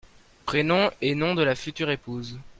prénoms et nom de la future épouse.